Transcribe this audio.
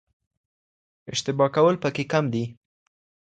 اشتباه کول پکې کم دي.